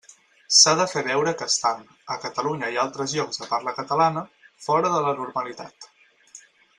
S'ha de fer veure que estan, a Catalunya i a altres llocs de parla catalana, fora de la normalitat.